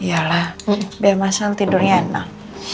yalah biar mas hal tidurnya enak